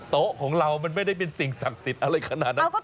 โต๊ะของเรามันไม่ได้เป็นสิ่งศักดิ์สิทธิ์อะไรขนาดนั้น